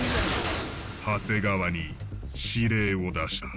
長谷川に指令を出した。